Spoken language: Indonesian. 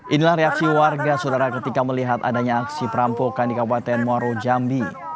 inilah reaksi warga saudara ketika melihat adanya aksi perampokan di kabupaten muaro jambi